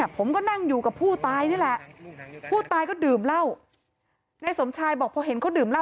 ผมก็นั่งอยู่กับผู้ตายนี่แหละผู้ตายก็ดื่มเหล้านายสมชายบอกพอเห็นเขาดื่มเหล้า